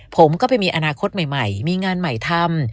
ผมก็ไปมีอนาคตใหม่มีงานใหม่ทำ